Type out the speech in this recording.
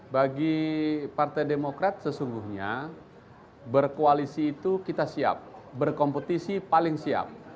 bagi partai demokrat sesungguhnya berkoalisi itu kita siap berkompetisi paling siap